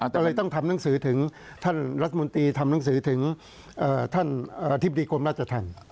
ก็เลยต้องทำหนังสือถึงท่านรัฐมนตรีทำหนังสือถึงท่านอธิบดีกรมราชธรรม